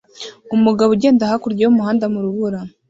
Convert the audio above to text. Umugabo ugenda hakurya y'umuhanda mu rubura